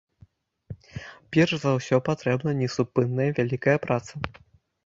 Перш за ўсё патрэбна несупынная вялікая праца.